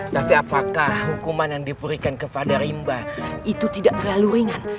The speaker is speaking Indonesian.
tapi apakah hukuman yang diberikan kepada rimba itu tidak terlalu ringan